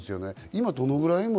今、どのぐらい？